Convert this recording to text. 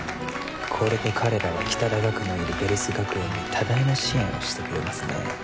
これで彼らは北田岳のいるヴェルス学園に多大な支援をしてくれますね